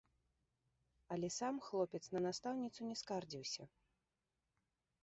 Але сам хлопец на настаўніцу не скардзіўся.